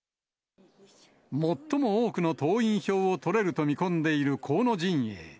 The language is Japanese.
最も多くの党員票を取れると見込んでいる河野陣営。